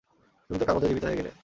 তুমি তো কাগজে জীবিত হয়ে গেলে।